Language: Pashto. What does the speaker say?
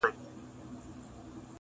هغه بل موږك را ودانگل ميدان ته!.